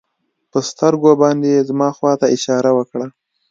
په سترګو باندې يې زما خوا ته اشاره وکړه.